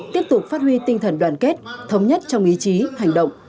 tiếp tục phát huy tinh thần đoàn kết thống nhất trong ý chí hành động